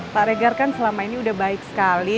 pak regar kan selama ini sudah baik sekali